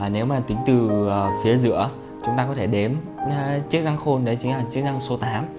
nếu mà tính từ phía giữa chúng ta có thể đếm chiếc răng khôn đấy chính là chiếc răng số tám